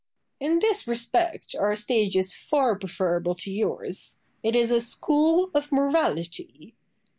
Boileau. In this respect our stage is far preferable to yours. It is a school of morality.